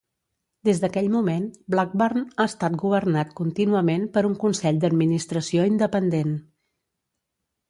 Des d'aquell moment, Blackburn ha estat governat contínuament per un Consell d'Administració independent.